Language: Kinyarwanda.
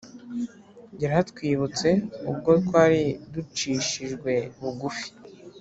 Yaratwibutse ubwo twari ducishijwe bugufi